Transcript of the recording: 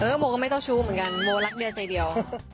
เออโบ๊ะก็ไม่เจ้าชูเหมือนกันโบ๊ะรักเดียวใจเดียว